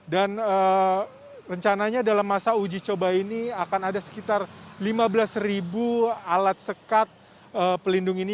dan rencananya dalam masa uji coba ini akan ada sekitar lima belas alat sekat pelindung ini